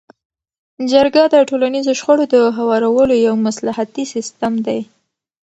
جرګه د ټولنیزو شخړو د هوارولو یو مصلحتي سیستم دی.